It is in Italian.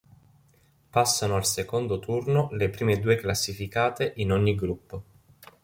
Passano al secondo turno le prime due classificate in ogni gruppo.